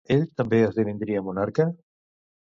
Ell també esdevindria monarca?